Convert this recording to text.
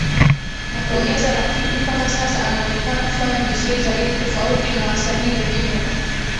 na kuongeza Lakini mpaka sasa anaonekana kufanya vizuri zaidi tofauti na wasanii wengine wa